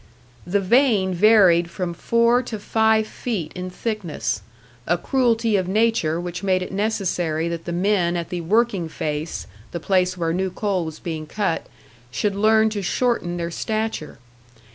The vein varied from four to five feet in thickness; a cruelty of nature which made it necessary that the men at the "working face" the place where new coal was being cut should learn to shorten their stature.